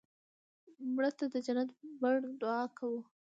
مړه ته د جنت بڼ دعا کوو